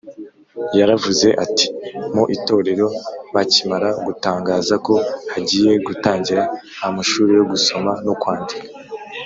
yaravuze ati mu itorero bakimara gutangaza ko hagiye gutangira amashuri yo gusoma no kwandika